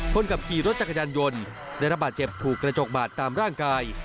คนขับขี่รถจักรยานยนต์ได้รับบาดเจ็บถูกกระจกบาดตามร่างกาย